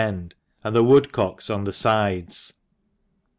end, and the woodcocks on the fides